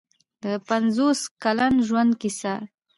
د پنځوس کلن ژوند کیسه.